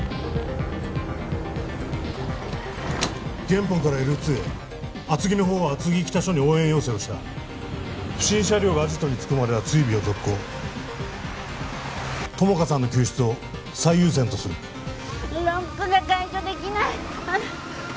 ゲンポンからＬ２へ厚木の方は厚木北署に応援要請をした不審車両がアジトに着くまでは追尾を続行友果さんの救出を最優先とするロックが解除できないあっ